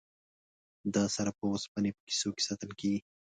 دا سره په اوسپنې په کیسو کې ساتل کیږي.